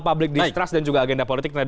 public distrust dan juga agenda politik